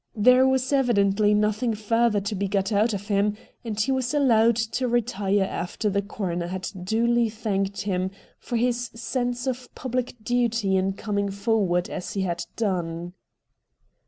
There was evidently nothing further to be got out of him, and he was allowed to retire after the coroner had duly thanked him for his sense of public duty in coming forward as he had done.